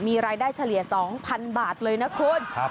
มีรายได้เฉลี่ย๒๐๐๐บาทเลยนะคุณ